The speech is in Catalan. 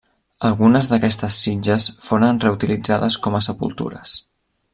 Algunes d'aquestes sitges foren reutilitzades com a sepultures.